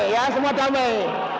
ya semua damai